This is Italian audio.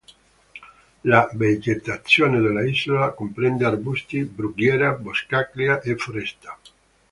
La vegetazione dell'isola comprende arbusti, brughiera, boscaglia e foresta.